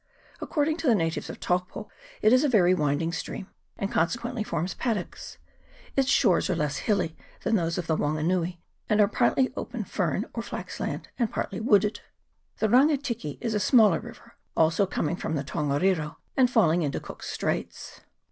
According to the natives of Taupo it is a very winding stream, and consequently forms pad CHAP. XXIV.] PUMICESTONE CLIFFS. 359 docks. Its shores are less hilly than those of the Wanganui, and are partly open fern or flax land, and partly wooded. The Rangatiki is a smaller river, also coming from the Tongariro, and falling into Cook's Straits.